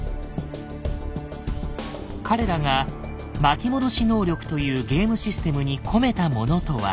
彼らが「巻き戻し能力」というゲームシステムに込めたものとは。